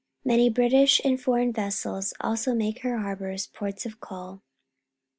Many British and foreign vessels also make her harbours ports of call.